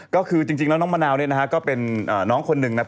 ก็คือจริงแล้วน้องมะนาวเนี่ยนะฮะก็เป็นน้องคนหนึ่งนะครับ